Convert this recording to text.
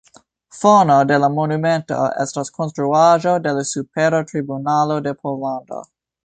Fono de la monumento estas Konstruaĵo de la Supera Tribunalo de Pollando.